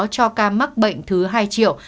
cho ca mắc bệnh thứ hai triệu